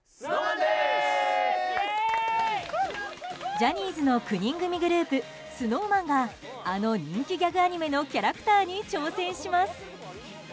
ジャニーズの９人組グループＳｎｏｗＭａｎがあの人気ギャグ漫画のキャラクターに挑戦します。